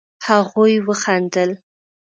هغوئ وخندل.